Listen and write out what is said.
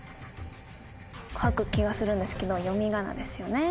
書く気がするんですけど読み仮名ですよね。